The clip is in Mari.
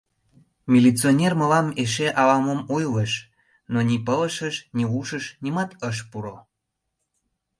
Милиционер мылам эше ала-мом ойлыш, но ни пылышыш, ни ушыш нимат ыш пуро.